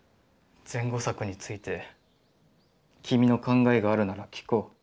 「善後策について君の考があるなら聞こう」。